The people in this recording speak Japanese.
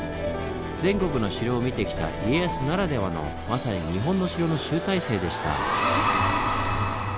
全国の城を見てきた家康ならではのまさに日本の城の集大成でした。